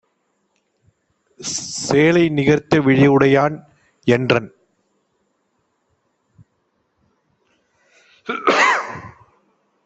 சேலை நிகர்த்த விழியுடையாள் - என்றன்